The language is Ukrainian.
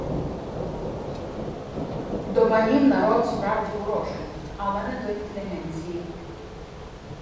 До панів народ справді ворожий, але не до інтелігенції.